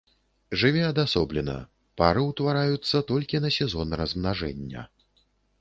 Жыве адасоблена, пары ўтвараюцца толькі на сезон размнажэння.